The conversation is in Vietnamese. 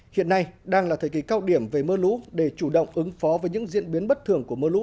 hiện nay đang là thời kỳ cao điểm về mưa lũ để chủ động ứng phó với những diễn biến bất thường của mưa lũ